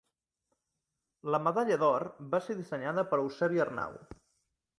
La Medalla d'Or va ser dissenyada per Eusebi Arnau.